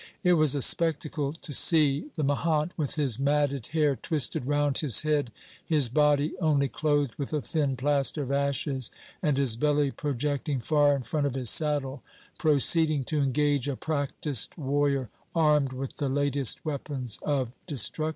It was a spectacle to see the mahant with his matted hair twisted round his head, his body only clothed with a thin plaster of ashes, and his belly projecting far in front of his saddle, proceeding to engage a practised warrior armed with the latest weapons of destruction.